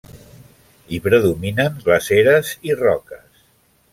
Hi predominen glaceres i roques.